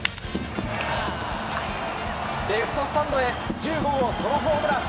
レフトスタンドへ１５号ソロホームラン。